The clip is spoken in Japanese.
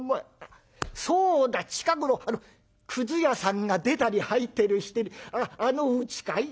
そうだ近頃屑屋さんが出たり入ったりしてるあのうちかい？